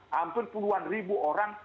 hampir puluhan ribu orang